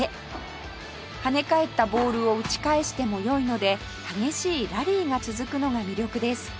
跳ね返ったボールを打ち返してもよいので激しいラリーが続くのが魅力です